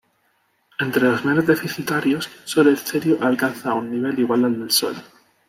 Entre los menos deficitarios, sólo el cerio alcanza un nivel igual al del Sol.